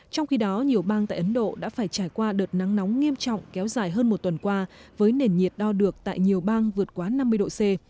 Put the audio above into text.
trong khi đó nhiều bang tại ấn độ đã phải trải qua đợt nắng nóng nghiêm trọng kéo dài hơn một tuần qua với nền nhiệt đo được tại nhiều bang vượt quá năm mươi độ c